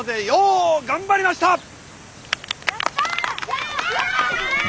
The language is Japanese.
よく頑張りました。